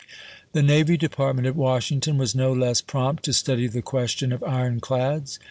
The Navy Department at Washington was no less prompt to study the question of ironclads.